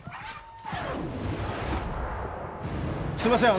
すいません